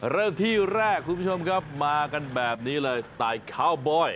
เริ่มที่แรกคุณผู้ชมครับมากันแบบนี้เลยสไตล์ข้าวบอย